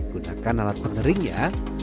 gunakan alat penering ya